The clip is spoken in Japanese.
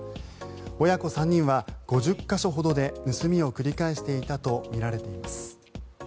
親子３人は５０か所ほどで盗みを繰り返していたとみられています。